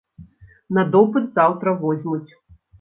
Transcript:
На допыт заўтра возьмуць.